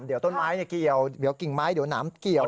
เดี๋ยวต้นไม้เกี่ยวเดี๋ยวกิ่งไม้เดี๋ยวน้ำเกี่ยว